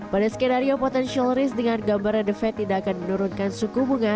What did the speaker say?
pada skenario potential risk dengan gambarnya the fed tidak akan menurunkan suku bunga